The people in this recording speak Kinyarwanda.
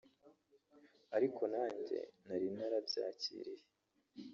ariko nanjye nari narabyakiriye